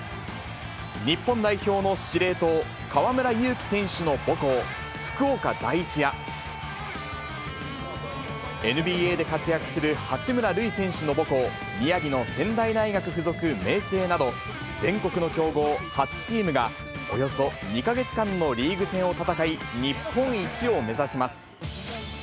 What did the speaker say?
日本代表の司令塔、河村勇輝選手の母校、福岡第一や、ＮＢＡで活躍する八村塁選手の母校、宮城の仙台大学附属明成など、全国の強豪８チームが、およそ２か月間のリーグ戦を戦い、日本一を目指します。